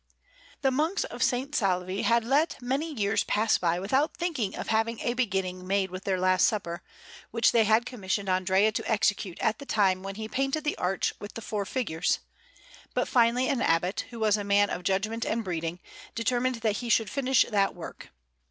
The Monks of S. Salvi had let many years pass by without thinking of having a beginning made with their Last Supper, which they had commissioned Andrea to execute at the time when he painted the arch with the four figures; but finally an Abbot, who was a man of judgment and breeding, determined that he should finish that work.